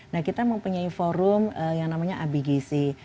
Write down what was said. nah kita mempunyai forum yang namanya abgc